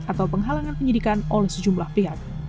atau penghalangan penyidikan oleh sejumlah pihak